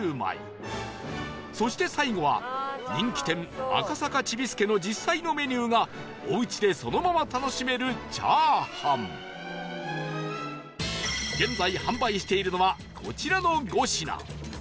そして最後は人気店赤坂ちびすけの実際のメニューがおうちでそのまま楽しめる炒飯現在販売しているのはこちらの５品